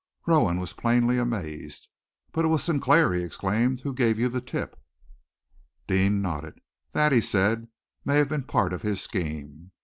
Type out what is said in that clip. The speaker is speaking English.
Rowan was plainly amazed. "But it was Sinclair," he exclaimed, "who gave you the tip." Deane nodded. "That," he said, "may have been part of his scheme.